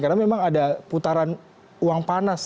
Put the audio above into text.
karena memang ada putaran uang panas